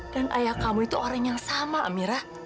dan ayah kamu itu orang yang sama amira